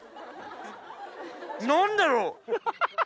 何だろう？